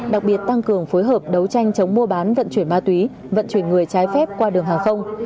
đặc biệt tăng cường phối hợp đấu tranh chống mua bán vận chuyển ma túy vận chuyển người trái phép qua đường hàng không